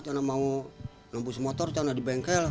karena mau lepas motor karena di bengkel